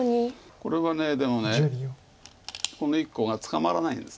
これはでもこの１個がつかまらないんです。